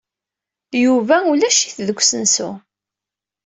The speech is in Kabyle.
Yuba ulac-it deg usensu.